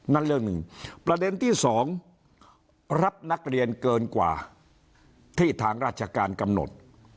นั่นเรื่องหนึ่งประเด็นที่สองรับนักเรียนเกินกว่าที่ทางราชการกำหนด